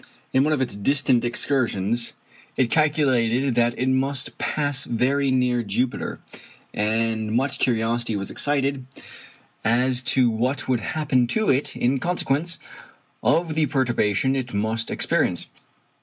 In one of its distant excursions, it was calculated that it must pass very near Jupiter, and much curiosity was excited as to what would happen to it in consequence of the perturbation it must experience.